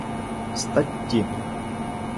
Статті